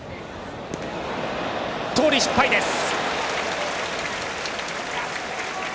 盗塁失敗です。